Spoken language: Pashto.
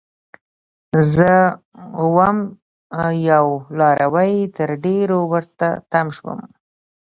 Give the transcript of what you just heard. زه وم یو لاروی؛ تر ډيرو ورته تم شوم